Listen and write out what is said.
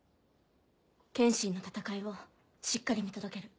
剣心の戦いをしっかり見届ける。